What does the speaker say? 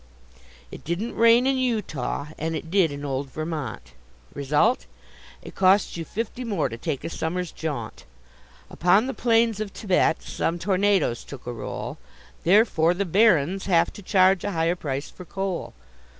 It didn't rain in Utah and it did in old Vermont Result: it costs you fifty more to take a summer's jaunt; Upon the plains of Tibet some tornadoes took a roll Therefore the barons have to charge a higher price for coal.